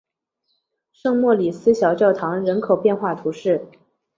圣莫里斯小教堂人口变化图示